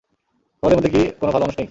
তোমাদের মধ্যে কি কোন ভাল মানুষ নেই?